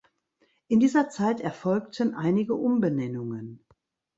In dieser Zeit erfolgten einige Umbenennungen.